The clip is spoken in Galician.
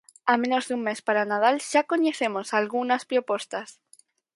A menos dun mes para o Nadal xa coñecemos algunhas propostas.